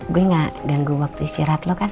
gue gak ganggu waktu istirahat lo kan